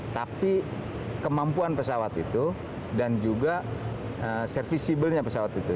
tapi kemampuan pesawat itu dan juga serviceble nya pesawat itu